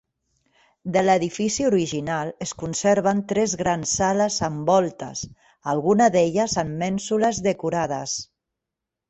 De l'edifici original es conserven tres grans sales amb voltes, alguna d'elles amb mènsules decorades.